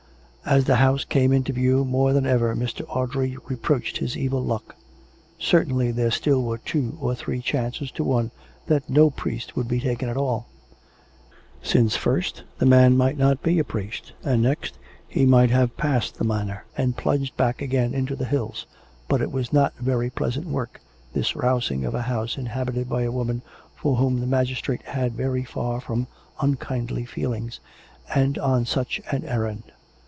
As the house came into view, more than ever Mr. Audrey reproached his evil luck. Certainly there still were two or three chances to one that no priest would be taken at all; 420 COME RACK! COME ROPE! since, first, the man might not be a priest, and next, he might have passed the manor and plunged back again into the hills. But it was not very pleasant work, this rousing of a house inhabited by a woman for whom the magistrate had very far from unkindly feelings, and on such an er rand.